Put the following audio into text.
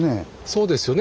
そうですよね